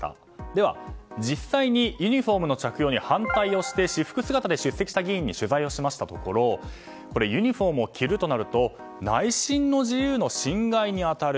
では、実際にユニホームの着用に反対をして私服姿で出席した議員に取材をしましたところユニホームを着るとなると内心の自由の侵害に当たる。